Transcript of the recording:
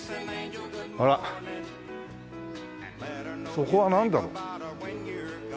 そこはなんだろう？